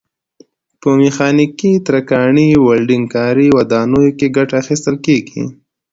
په میخانیکي، ترکاڼۍ، ولډنګ کاري، ودانیو کې ګټه اخیستل کېږي.